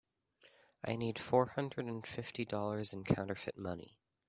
I need four hundred and fifty dollars in counterfeit money.